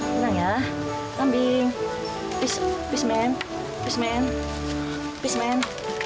tenang ya kambing peace peace man peace man peace man